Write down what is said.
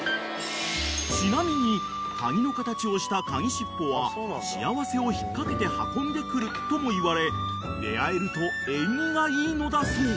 ［ちなみにカギの形をしたカギしっぽは幸せを引っ掛けて運んでくるともいわれ出合えると縁起がいいのだそう］